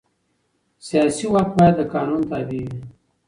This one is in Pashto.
سیاسي واک باید د قانون تابع وي